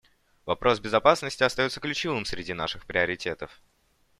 Вопрос безопасности остается ключевым среди наших приоритетов.